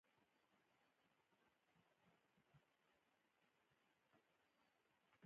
هغه کسان چې له وطن څخه د تللو اراده نه لري.